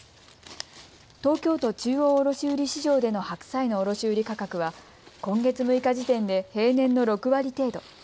東京都中央卸売市場での白菜の卸売価格は今月６日時点で平年の６割程度。